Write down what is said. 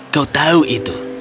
kau tahu itu